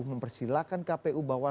mempersilahkan kpu bahwa